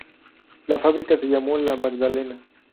La fábrica se llamó La Magdalena.